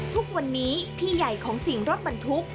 ทุกวันนี้พี่ใหญ่ของสิ่งรถบรรทุก